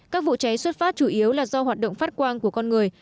các vụ cháy xuất phát chủ yếu là do hoạt động phát quang của con người